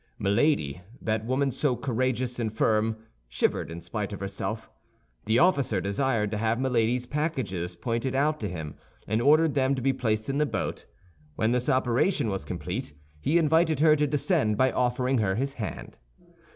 Milady, that woman so courageous and firm, shivered in spite of herself. The officer desired to have Milady's packages pointed out to him, and ordered them to be placed in the boat. When this operation was complete, he invited her to descend by offering her his hand.